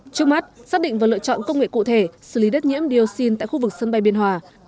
trước mắt xác định và lựa chọn công nghệ cụ thể xử lý đất nhiễm dioxin tại khu vực sân bay biên hòa